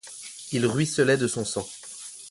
Il ruisselait de son sang.